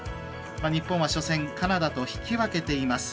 日本は初戦カナダと引き分けています。